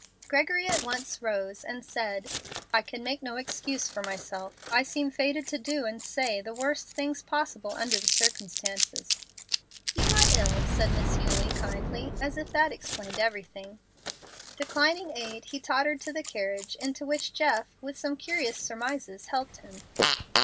Gregory at once rose and said, "I can make no excuse for myself. I seem fated to do and say the worst things possible under the circumstances." "You are ill," said Miss Eulie, kindly, as if that explained everything. Declining aid, he tottered to the carriage, into which Jeff, with some curious surmises, helped him.